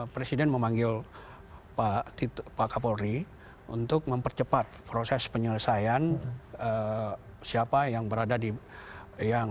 presiden memanggil pak kapolri untuk mempercepat proses penyelesaian siapa yang berada di yang